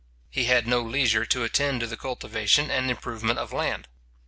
He had no leisure to attend to the cultivation and improvement of land.